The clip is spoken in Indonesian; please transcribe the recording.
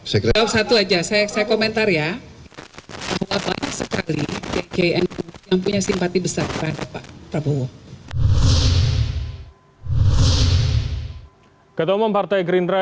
saya komentar ya